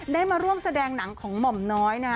ได้มาร่วมแสดงหนังของหม่อมน้อยนะฮะ